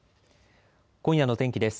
今夜の天気です。